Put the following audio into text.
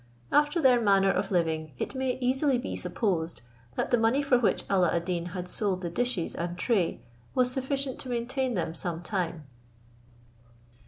After their manner of living, it may easily be supposed, that the money for which Alla ad Deen had sold the dishes and tray was sufficient to maintain them some time.